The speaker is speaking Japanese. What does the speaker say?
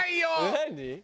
何？